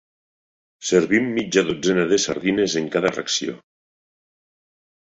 Servim mitja dotzena de sardines en cada racció.